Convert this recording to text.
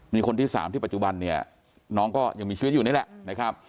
มีคนที่๓ที่ปัจจุบันเนี่ยน้องก็ยังมีชีวิตอยู่นี่แหละนะครับ